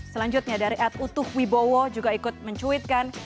selanjutnya dari ad utuh wibowo juga ikut mencuitkan